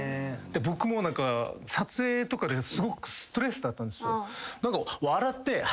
僕も撮影とかですごくストレスだったんですよ。